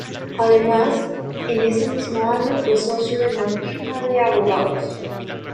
Además, en ese mismo año fue socio de una firma de abogados.